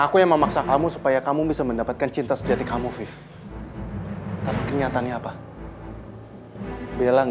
aku yang memaksa kamu supaya kamu bisa mendapatkan cinta sejati kamu sih tapi kenyataannya apa bilang